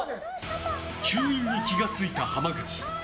吸引に気が付いた浜口。